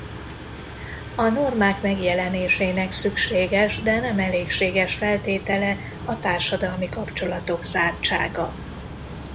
A normák megjelenésének szükséges de nem elégséges feltétele a társadalmi kapcsolatok zártsága.